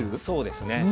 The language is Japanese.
そうですね。